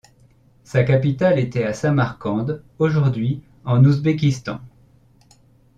Sa capitale était à Samarcande, aujourd'hui en Ouzbékistan.